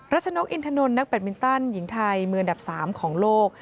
ชนกอินทนนท์นักแบตมินตันหญิงไทยมืออันดับ๓ของโลก